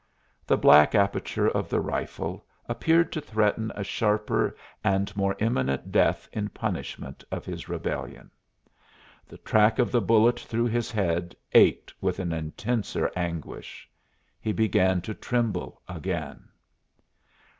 The black aperture of the rifle appeared to threaten a sharper and more imminent death in punishment of his rebellion. The track of the bullet through his head ached with an intenser anguish. He began to tremble again.